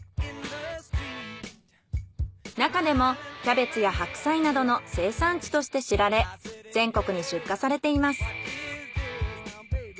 なかでもキャベツや白菜などの生産地として知られ全国に出荷されています。